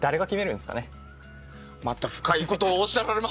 また深いことをおっしゃられますね。